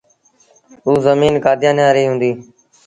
اوٚ زميݩ ڪآديآنيآن ريٚ هُݩديٚ۔